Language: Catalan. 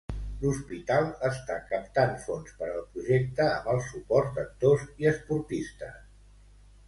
L'hospital està captant fons per al projecte amb el suport d'actors i esportistes.